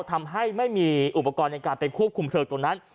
ทำให้ไม่มีอุปกรณ์ในการไปควบคุมเพลิงตรงนั้น